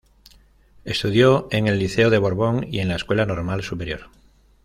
Estudió en el Liceo de Borbón y en la Escuela Normal Superior.